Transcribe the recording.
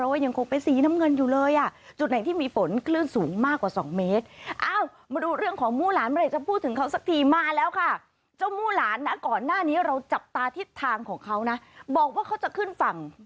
วันนี้เราจับตาทิศทางของเขานะบอกว่าเขาจะขึ้นฝั่ง